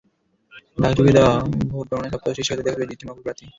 ডাকযোগে দেওয়া ভোট গণনায় সপ্তাহ শেষে হয়তো দেখা যাবে জিতেছেন অপর প্রার্থী।